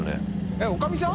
えっおかみさん？